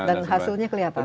dan hasilnya kelihatan